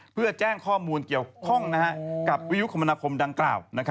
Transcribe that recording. เพื่อแจ้งข้อมูลเกี่ยวข้องกับวิยุคมนาคมดังกล่าว